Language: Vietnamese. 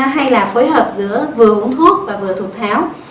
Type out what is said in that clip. hay là phối hợp giữa vừa uống thuốc và vừa thục tháo